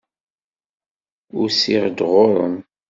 Usiɣ-d ɣur-m.